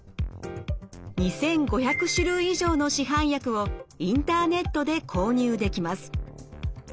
２５００種類以上の市販薬をインターネットで購入できます。